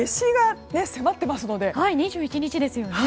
２１日ですよね。